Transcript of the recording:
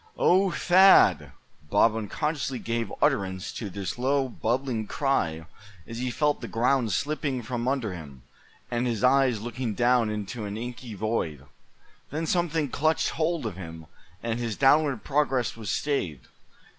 "OH! Thad!" Bob unconsciously gave utterance to this low, bubbling cry as he felt the ground slipping from under him, and his eyes looking down into an inky void. Then something clutched hold of him, and his downward progress was stayed.